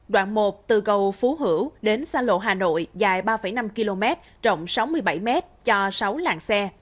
đoạn một từ cầu phú hữu đến xa lộ hà nội dài ba năm km rộng sáu mươi bảy m cho sáu làng xe